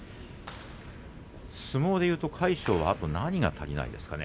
相撲でいうと、魁勝はあと何が足りないんですかね